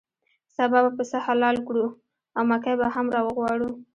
سبا به پسه حلال کړو او مکۍ به هم راوغواړو.